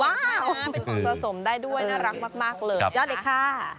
เป็นของสะสมได้ด้วยน่ารักมากเลยยอดเลยค่ะ